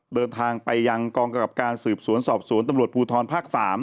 เดินทางไปยังกองกำกับการสืบสวนสอบสวนตำรวจภูทรภาค๓